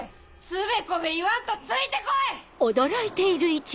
つべこべ言わんとついて来い！